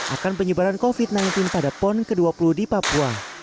akan penyebaran covid sembilan belas pada pon ke dua puluh di papua